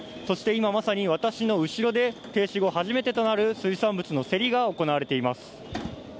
そして今まさに私の後ろで、停止後、初めてとなる水産物の競りが行われています。